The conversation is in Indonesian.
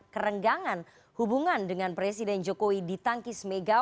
ketua bapil pres relawan projo